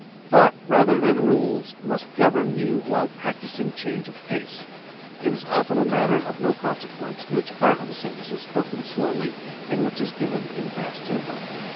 Thought rather than rules must govern you while practising change of pace. It is often a matter of no consequence which part of a sentence is spoken slowly and which is given in fast tempo.